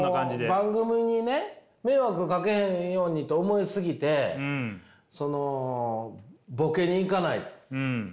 番組にね迷惑かけへんようにと思い過ぎてそのボケにいかない。